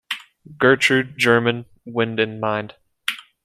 Gertrude, German; wind and mind;